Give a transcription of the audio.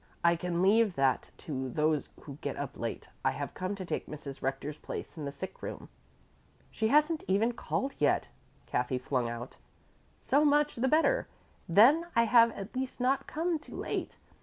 I can leave that to those who get up late. I have come to take Mrs. Rector's place in the sick room." "She hasn't even called yet," Kathy flung out. "So much the better, then I have at least not come too late.